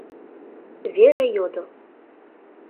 — Вера йодо.